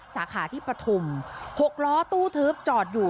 สาขาที่ปฐุม๖ล้อตู้ทึบจอดอยู่